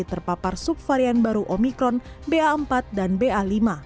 terpapar subvarian baru omikron ba empat dan ba lima